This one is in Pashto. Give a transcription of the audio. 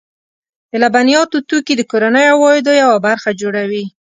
د لبنیاتو توکي د کورنیو عوایدو یوه برخه جوړوي.